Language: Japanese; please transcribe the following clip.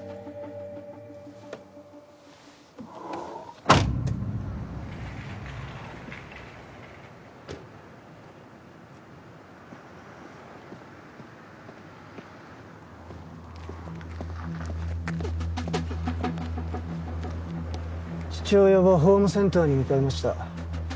バタン父親はホームセンターに向かいました。